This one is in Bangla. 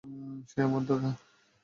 সে আমার দাদা, স্যার।